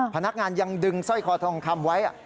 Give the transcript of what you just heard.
พนักงานยังดึงสร้อยคอทองคำไว้